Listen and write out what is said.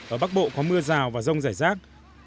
ở bắc bộ có mưa rào và rông rải rác